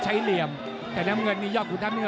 ใช้เหลี่ยมแต่น้ำเงินนี่ยอดขุมทัพ